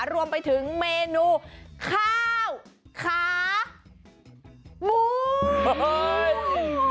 รวมไปถึงเมนูข้าวขาหมู